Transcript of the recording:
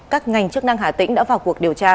các ngành chức năng hà tĩnh đã vào cuộc điều tra